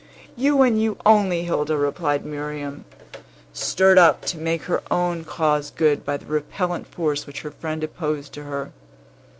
"You, and you only, Hilda," replied Miriam, stirred up to make her own cause good by the repellent force which her friend opposed to her.